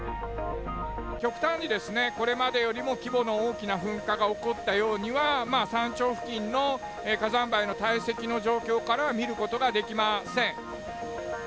極端にこれまでよりも規模の大きな噴火が起こったようには、山頂付近の火山灰の堆積の状況からは見ることができません。